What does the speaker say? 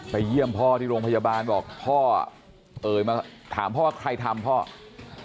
เยี่ยมพ่อที่โรงพยาบาลบอกพ่อเอ่ยมาถามพ่อว่าใครทำพ่อ